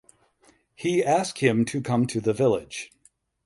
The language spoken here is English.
He ask him to come to the village.